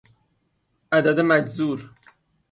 عدد مجذور